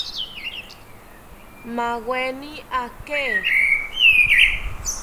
Maaweni aake